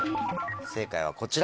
正解はこちら。